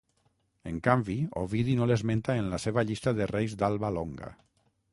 En canvi Ovidi no l'esmenta en la seva llista de reis d'Alba Longa.